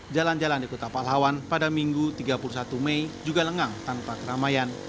jalan jalan di kota palawan pada minggu tiga puluh satu mei juga lengang tanpa keramaian